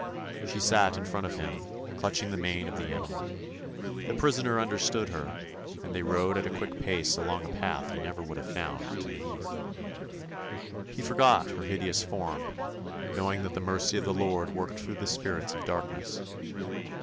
She sat in front of him, clutching the mane of the animal. The prisoner under stood her, and they rode at a quick pace along a path he never would have found to the heath. He forgot her hideous form, knowing that the mercy of the Lord worked through the spirits of darkness.